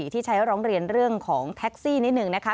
ที่ใช้ร้องเรียนเรื่องของแท็กซี่นิดนึงนะคะ